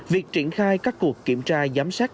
việc triển khai các cuộc kiểm tra giám sát